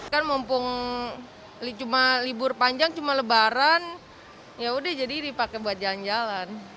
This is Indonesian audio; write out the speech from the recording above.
kan mumpung libur panjang cuma lebaran yaudah jadi dipakai buat jalan jalan